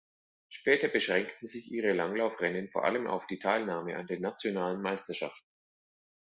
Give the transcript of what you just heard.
Später beschränkten sich ihre Langlauf-Rennen vor allem auf die Teilnahme an den nationalen Meisterschaften.